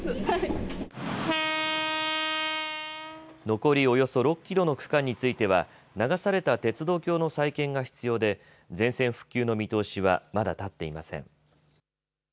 残りおよそ６キロの区間については流された鉄道橋の再建が必要で全線復旧の見通しはまだ立っていません。